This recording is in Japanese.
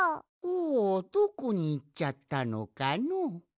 おどこにいっちゃったのかのう。